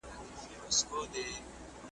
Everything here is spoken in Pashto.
د پسرلیو له سبا به ترانې وي وني ,